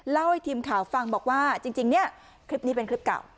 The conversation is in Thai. เล่าให้ทีมข่าวฟังบอกว่าจริงเนี่ยคลิปนี้เป็นคลิปเก่า